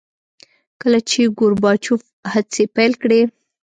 کله چې ګورباچوف هڅې پیل کړې.